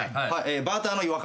バーターの違和感！